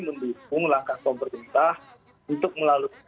mendukung langkah pemerintah untuk melalui